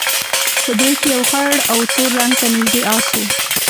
په دوی کې یو خړ او تور رنګ ته نژدې اس وو.